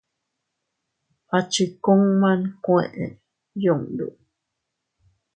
A chi kuma nkuee yundu.